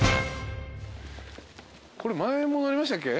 これ前も乗りましたっけ？